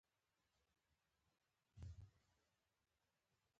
پر سمندري او ځمکنيو لارو پانګونه زیاته شوه.